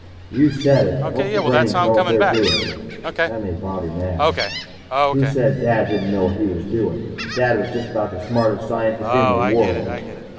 "You said it. Hope the brains know what they're doing." That made Bobby mad. Who said Dad didn't know what he was doing? Dad was just about the smartest scientist in the world.